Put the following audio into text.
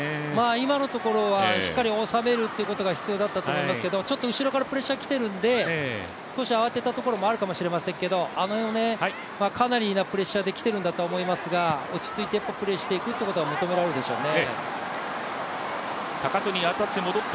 今のところはしっかり収めるというところが必要だったと思いますけどちょっと後ろからプレッシャー来ているんで、少し慌てたところもあるかもしれないですけど、あの辺、かなりなプレッシャーできているんだと思いますが、落ち着いてプレーしていくことが求められるでしょうね。